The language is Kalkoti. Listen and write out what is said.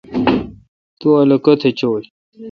تو الو کیتھ چوں ۔